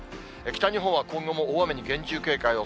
北日本は今後も大雨に厳重警戒を。